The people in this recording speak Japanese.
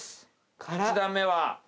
１段目は。